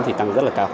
thì tăng rất là cao